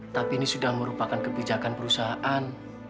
tapi ini sudah merupakan kebijakan perusahaan